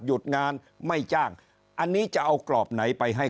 หยุดงานไม่จ้างอันนี้จะเอากรอบไหนไปให้